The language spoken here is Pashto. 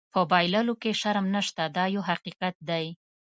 په بایللو کې شرم نشته دا یو حقیقت دی.